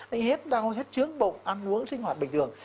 anh hết đau hết chướng bộng ăn uống sinh hoạt bình thường